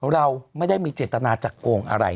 เราไม่ได้มีเจตนาจะโกงอะไร